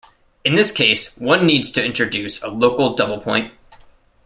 In this case, one needs to introduce a local double point.